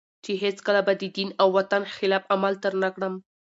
چي هیڅکله به د دین او وطن خلاف عمل تر نه کړم